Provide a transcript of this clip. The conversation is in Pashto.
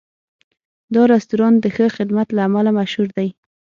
دا رستورانت د ښه خدمت له امله مشهور دی.